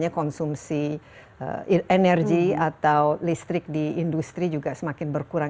konsumsi energi atau listrik di industri juga semakin berkurang